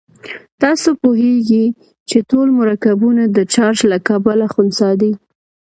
تاسې پوهیږئ چې ټول مرکبونه د چارج له کبله خنثی دي.